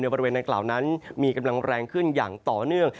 บริเวณดังกล่าวนั้นมีกำลังแรงขึ้นอย่างต่อเนื่อง